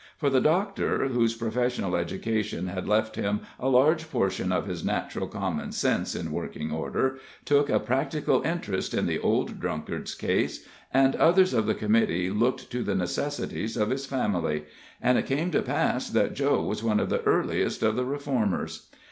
For the doctor, whose professional education had left him a large portion of his natural common sense in working order, took a practical interest in the old drunkard's case, and others of the committee looked to the necessities of his family, and it came to pass that Joe was one of the earliest of the reformers.